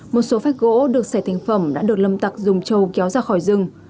một số phách gỗ được xẻ thành phẩm đã được lâm tặc dùng trâu kéo ra khỏi rừng